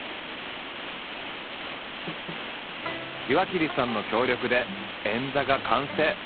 岩切さんの協力で円座が完成。